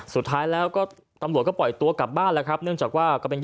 สุดท้ายแล้วก็ตำรวจก็ปล่อยตัวกลับบ้านแล้ว